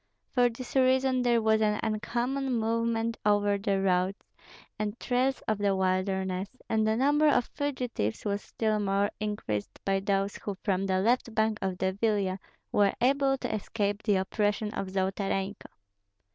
For this reason there was an uncommon movement over the roads and trails of the wilderness, and the number of fugitives was still more increased by those who from the left bank of the Vilia were able to escape the oppression of Zolotarenko.